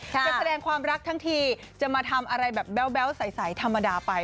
จะแสดงความรักทั้งทีจะมาทำอะไรแบบแบ๊วใสธรรมดาไป